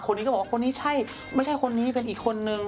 นี้ก็บอกว่าคนนี้ใช่ไม่ใช่คนนี้เป็นอีกคนนึง